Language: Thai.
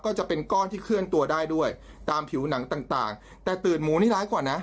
ก็จะเป็นก้อนที่เคลื่อนตัวได้ด้วยตามผิวหนังต่างต่างแต่ตื่นหมูนี่ร้ายกว่านะ